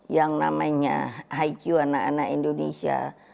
yang namanya iq anak anak indonesia